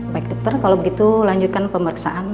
baik dokter kalau begitu lanjutkan pemeriksaan